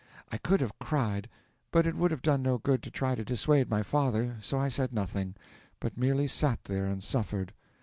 I could have cried but it would have done no good to try to dissuade my father, so I said nothing, but merely sat there and suffered.